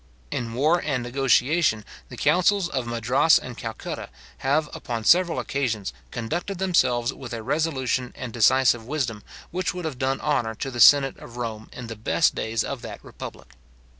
In war and negotiation, the councils of Madras and Calcutta, have upon several occasions, conducted themselves with a resolution and decisive wisdom, which would have done honour to the senate of Rome in the best days of that republic.